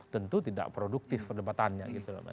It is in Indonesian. tentu tidak produktif perdebatannya